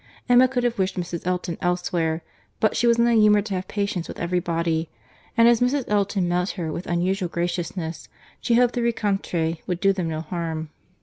Emma could have wished Mrs. Elton elsewhere; but she was in a humour to have patience with every body; and as Mrs. Elton met her with unusual graciousness, she hoped the rencontre would do them no harm.